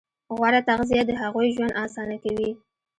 غوره تغذیه د هغوی ژوند اسانه کوي.